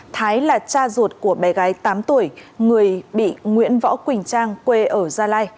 thái là cha ruột của bé gái tám tuổi người bị nguyễn võ quỳnh trang quê ở gia lai